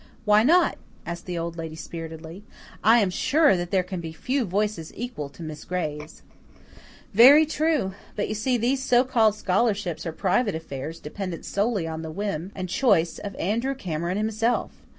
"Why not?" asked the Old Lady spiritedly. "I am sure that there can be few voices equal to Miss Gray's." "Very true. But you see, these so called scholarships are private affairs, dependent solely on the whim and choice of Andrew Cameron himself.